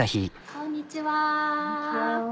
こんにちは。